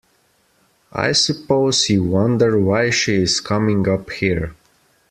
I suppose you wonder why she is coming up here.